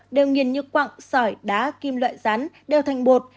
đều nghiền như quặng sỏi đá kim loại rắn đều thành bột